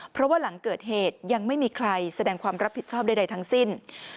เพราะว่าหลังเกิดเหตุยังไม่มีใครแสดงความรับผิดชอบใดทั้งสิ้น